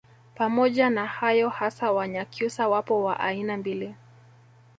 Pamoja na hayo hasa Wanyakyusa wapo wa aina mbili